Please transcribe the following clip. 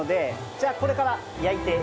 じゃあこれから焼いていきます。